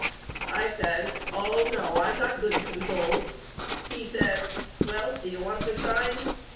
I says Oh no I got good con trol. He says Well do you want to sign?